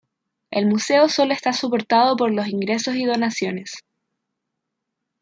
El museo solo está soportado por los ingresos y donaciones.